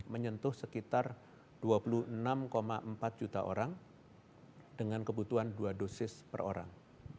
menyentuh sekitar dua puluh enam empat juta orang dengan kebutuhan dua dosis per orang